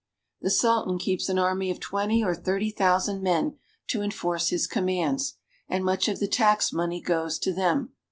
The Sultan keeps an army of twenty or thirty thousand men to enforce his commands, and much of the tax money goes to them.